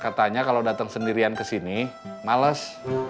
katanya kalau datang sendirian kesini males